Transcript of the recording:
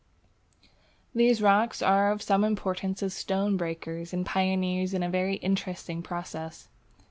These rock plants are of some importance as stonebreakers and pioneers in a very interesting process.